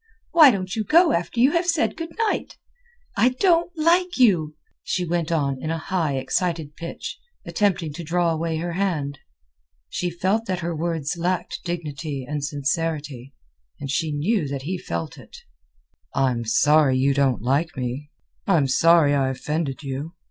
Why don't you go after you have said good night? I don't like you," she went on in a high, excited pitch, attempting to draw away her hand. She felt that her words lacked dignity and sincerity, and she knew that he felt it. "I'm sorry you don't like me. I'm sorry I offended you.